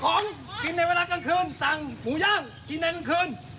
ของกินในเวลากลางคืนสั่งหมูย่างกินในกลางคืน